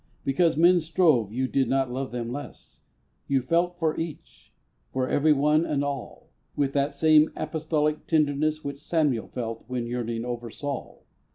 Because men strove you did not love them less; You felt for each for everyone and all With that same apostolic tenderness Which Samuel felt when yearning over Saul.